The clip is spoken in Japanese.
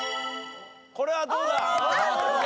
これはどうだ？